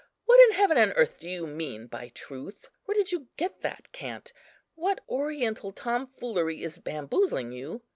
What in heaven and earth do you mean by truth? where did you get that cant? What oriental tomfoolery is bamboozling you?